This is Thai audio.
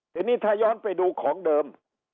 ทีนี้ถ้าย้อนไปดูของเดิม